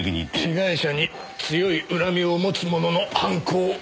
被害者に強い恨みを持つ者の犯行。